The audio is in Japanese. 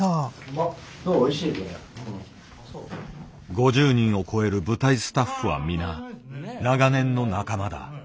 ５０人を超える舞台スタッフは皆長年の仲間だ。